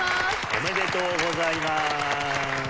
おめでとうございます。